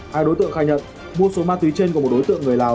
hai đối tượng khai nhận mua số ma túy trên của một đối tượng người lào